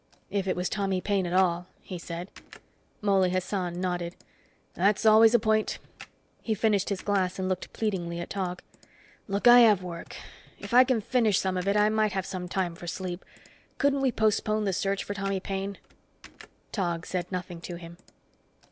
"If it was Tommy Paine at all," he said. Mouley Hassan nodded. "That's always a point." He finished his glass and looked pleadingly at Tog. "Look, I have work. If I can finish some of it, I might have time for some sleep. Couldn't we postpone the search for Tommy Paine." Tog said nothing to him.